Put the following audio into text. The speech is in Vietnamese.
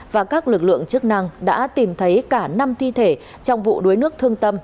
và các lực lượng chức năng đã tìm thấy cả năm thi thể trong vụ đuối nước thương tâm